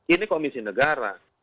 ini komisi negara